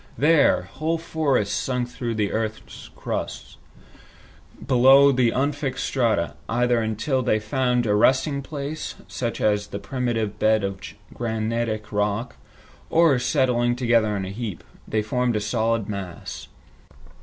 There, whole forests sunk through the earth's crust, below the unfixed strata, either until they found a resting place, such as the primitive bed of granitic rock, or, settling together in a heap, they formed a solid mass.